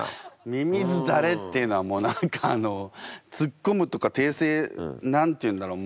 みみずだれっていうのはもう何かあの突っ込むとか訂正何て言うんだろう